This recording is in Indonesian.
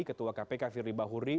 ketua kpk firdy bahuri